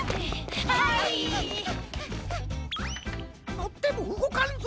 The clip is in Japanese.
のってもうごかんぞ。